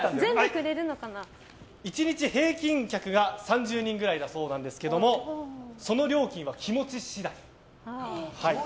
１日平均客が３０人ぐらいだそうですがその料金は気持ち次第。